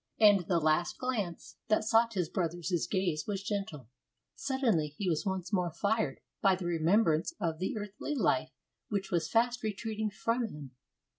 And the last glance that sought his brother's gaze was gentle. Suddenly he was once more fired by the remembrance of the earthly life which was fast retreating from him.